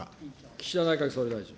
岸田内閣総理大臣。